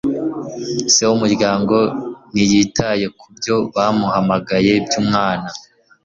se wumuryango ntiyitaye kubyo bahamagaye byumwana